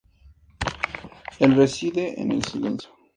Él reside en el silencio.